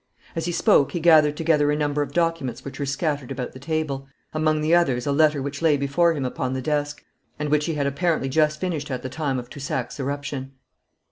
As he spoke he gathered together a number of documents which were scattered about the table among the others a letter which lay before him upon the desk, and which he had apparently just finished at the time of Toussac's irruption.